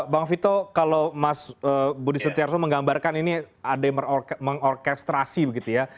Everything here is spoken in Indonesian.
bang vito kalau mas budi setiarso menggambarkan ini ada yang mengorkestrasi begitu ya